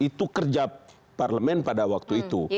itu kerja parlemen pada waktu itu